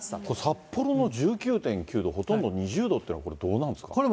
これ、札幌の１９．９度、ほとんど２０度ってどうなんですか。